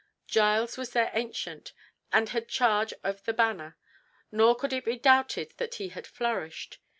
Giles was their "ancient" and had charge of the banner, nor could it be doubted that he had flourished.